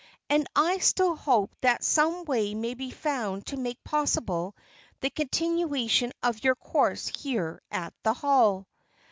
"And I still hope that some way may be found to make possible the continuation of your course here at the Hall."